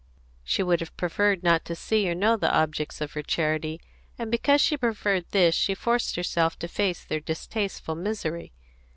She would have preferred not to see or know the objects of her charity, and because she preferred this she forced herself to face their distasteful misery.